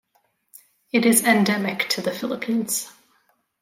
It is endemic to the Philippines.